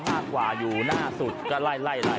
ขนสามากกว่าเดาอยู่หน้าสุดก็ไล่